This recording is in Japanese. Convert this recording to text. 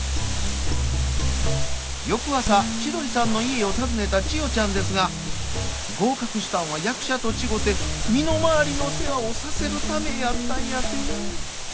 翌朝千鳥さんの家を訪ねた千代ちゃんですが合格したんは役者と違て身の回りの世話をさせるためやったんやて。